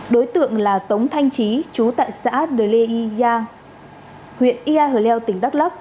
đối tượng là tống thanh trí chú tại xã đờ lê y yang huyện yia hờ leo tỉnh đắk lắc